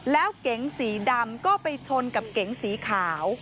แล้วเก๋งสีดำก็ไปชนกับเก๋งสีขาว